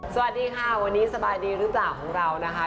สวัสดีค่ะวันนี้สบายดีหรือเปล่าของเรานะคะ